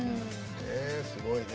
すごいね。